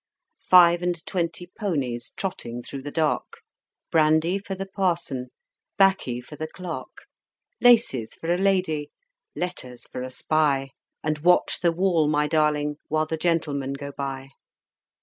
Five and twenty ponies, Trotting through the dark, Brandy for the Parson, 'Baccy for the Clerk; Laces for a lady, letters for a spy, And watch the wall, my darling, while the Gentlemen go by!